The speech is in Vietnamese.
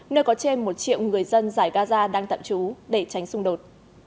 nơi có trên một triệu người dân giải gaza đang tạm trú để tránh xung đột